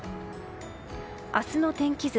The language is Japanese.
明日の天気図。